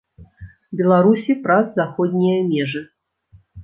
Беларусі праз заходнія межы.